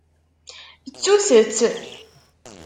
Ttut-t.